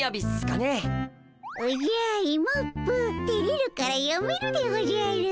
おじゃイモップてれるからやめるでおじゃる。